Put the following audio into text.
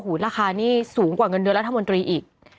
ราคานี่สูงกว่าเงินเดือนรัฐมนตรีอีก